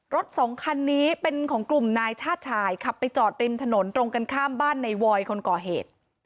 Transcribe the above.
รถสองคันนี้เป็นของกลุ่มนายชาติชายขับไปจอดริมถนนตรงกันข้ามบ้านในวอยคนก่อเหตุ